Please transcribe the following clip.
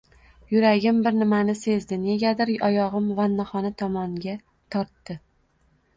Yuragim bir nimani sezdi, negadir oyog`im vannaxona tomonga tortdi